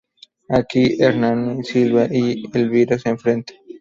Aquí, Ernani, Silva y Elvira se enfrentan.